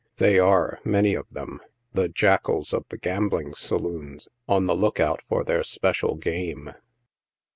They are, many of them, the jackals of the gambling saloons, on the look out for their special game.